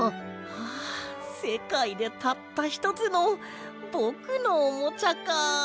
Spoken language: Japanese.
あせかいでたったひとつのぼくのおもちゃか。